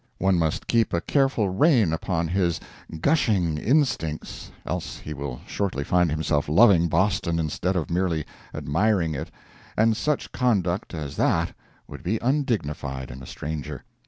One must keep a careful rein upon his "gushing" instincts, else he will shortly find himself loving Boston instead of merely admiring it—and such conduct as that would be undignified in a stranger.